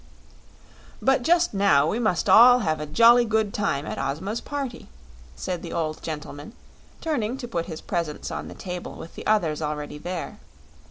"But just now we must all have a jolly good time at Ozma's party," said the old gentleman, turning to put his presents on the table with the others already there.